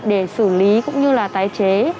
để xử lý cũng như là tái chế